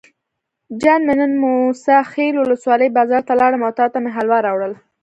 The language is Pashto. جان مې نن موسی خیل ولسوالۍ بازار ته لاړم او تاته مې حلوا راوړل.